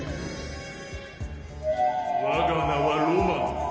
我が名はロマノフ。